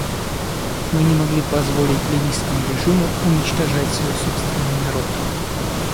Мы не могли позволить ливийскому режиму уничтожать свой собственный народ.